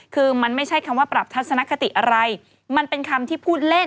คือมันไม่ใช่คำว่าปรับทัศนคติอะไรมันเป็นคำที่พูดเล่น